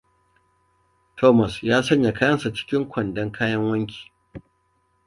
Thomas ya sanya kayansa cikin kwandon kayan wanki.